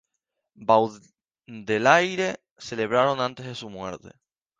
Baudelaire celebraron antes de su muerte.